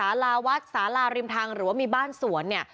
สาลาวัดสาลาฟคงหรือว่ามีบ้านสวน